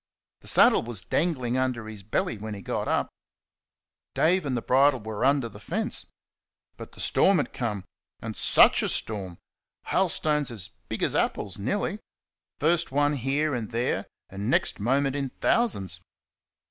The saddle was dangling under his belly when he got up; Dave and the bridle were under the fence. But the storm had come, and such a storm! Hailstones as big as apples nearly first one here and there, and next moment in thousands.